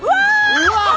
うわっ！